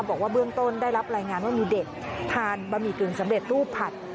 บอกว่าเบื้องต้นได้รับรายงานว่ามีเด็กทานบะหมี่กึ่งสำเร็จรูปผัด